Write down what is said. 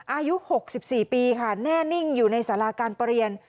อายุ๖๔ปีค่ะแน่นิ่งอยู่ในสาราการประเรียน